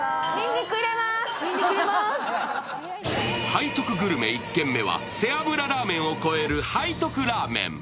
背徳グルメ１軒目は背脂ラーメンが味わえる背徳ラーメン。